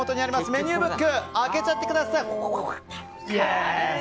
メニューブック開けちゃってください。